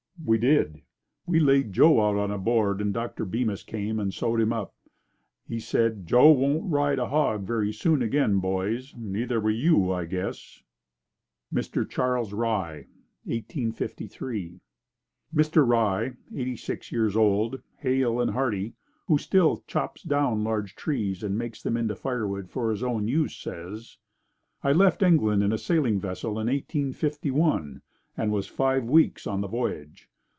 We did. We laid Joe out on a board and Dr. Bemis came and sewed him up. He said, "Joe won't ride a hog very soon again, boys. Neither will you, I guess." Mr. Charles Rye 1853. Mr. Rye, eighty six years old, hale and hearty, who still chops down large trees and makes them into firewood for his own use, says: I left England in a sailing vessel in 1851 and was five weeks on the voyage.